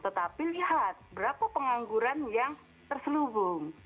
tetapi lihat berapa pengangguran yang terselubung